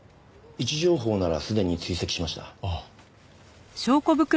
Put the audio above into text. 位置情報ならすでに追跡しました。